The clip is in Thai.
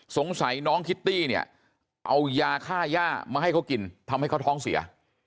สงสัยน้องคิตตี้เนี่ยเอายาค่าย่ามาให้เขากินทำให้เขาท้องเสีย